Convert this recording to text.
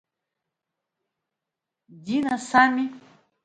Дина сами!